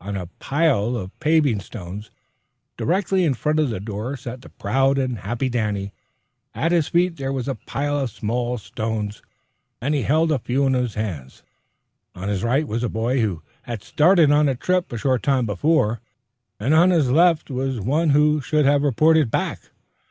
On a pile of paving stones directly in front of the door sat the proud and happy Danny. At his feet there was a pile of smaller stones, and he held a few in his hands. On his right was a boy who had started on a trip a short time before, and on his left was one who should have reported back.